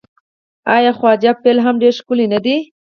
آیا خواجو پل هم ډیر ښکلی نه دی؟